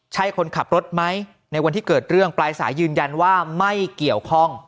ใช่คนขับรถไหมในวันที่เกิดเรื่องปลายสายยืนยันว่าไม่เกี่ยวข้อง